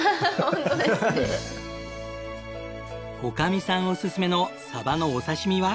女将さんおすすめのサバのお刺身は？